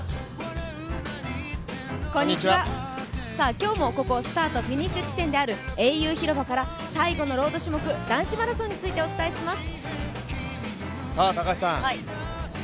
今日もここスタートフィニッシュ地点である、英雄広場から最後のロード種目男子マラソンをお届けします。